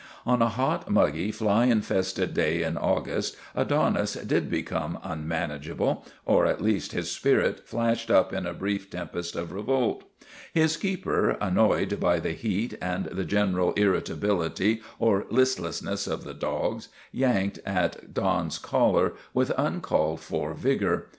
On a hot, muggy, fly infested day in August Adonis did become unmanageable, or at least his spirit flashed up in a brief tempest of revolt. His keeper, annoyed by the heat and the general ir ritability or listlessness of the dogs, yanked at Don's collar with uncalled for vigor.